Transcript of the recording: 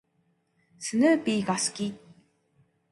スヌーピーが好き。